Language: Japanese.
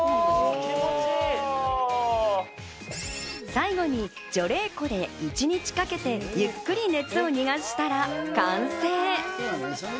最後に徐冷庫で一日かけてゆっくり熱を逃がしたら完成。